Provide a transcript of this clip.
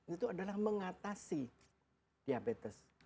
itu adalah mengatasi diabetes